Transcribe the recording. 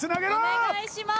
お願いします！